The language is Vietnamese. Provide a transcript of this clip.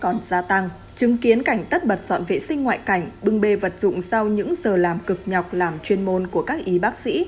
còn gia tăng chứng kiến cảnh tất bật dọn vệ sinh ngoại cảnh bưng bê vật dụng sau những giờ làm cực nhọc làm chuyên môn của các y bác sĩ